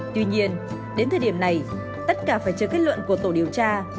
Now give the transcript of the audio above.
tuy nhiên đến thời điểm này tất cả phải chờ kết luận của tổ điều tra